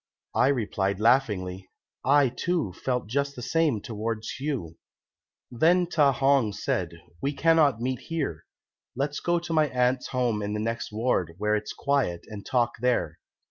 "I replied laughingly, 'I, too, felt just the same towards you.' "Then Ta hong said, 'We cannot meet here; let's go to my aunt's home in the next ward, where it's quiet, and talk there.'